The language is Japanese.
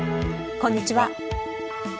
こんにちは。